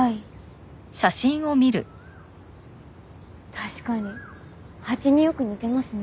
確かにハチによく似てますね。